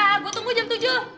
dah gue tunggu jam tujuh